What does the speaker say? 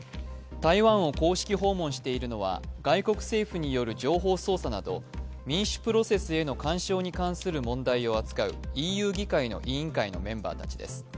台湾を公式訪問しているのは外国政府による情報操作など民主プロセスへの干渉に関する問題を扱うＥＵ議会の委員会のメンバーたちです。